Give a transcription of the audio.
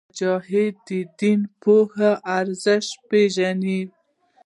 مجاهد د دیني پوهې ارزښت پېژني.